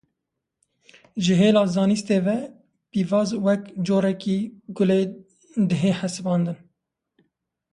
Ji hêla zanistî ve, pîvaz wek corekî gûlê dihê hesibandin